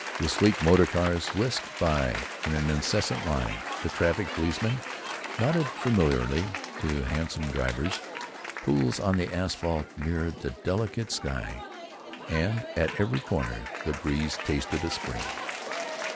The sleek motor cars whisked by in an incessant line; the traffic policemen nodded familiarly to hansom drivers; pools on the asphalt mirrored the delicate sky, and at every corner the breeze tasted of spring.